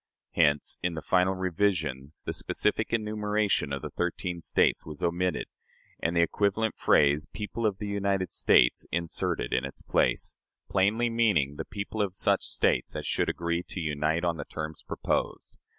Hence, in the final revision, the specific enumeration of the thirteen States was omitted, and the equivalent phrase "people of the United States" inserted in its place plainly meaning the people of such States as should agree to unite on the terms proposed.